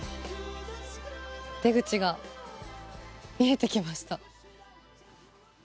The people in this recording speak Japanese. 出口が見えて来ました。